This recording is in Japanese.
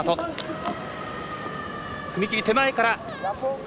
踏み切り手前から。